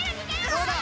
どうだ？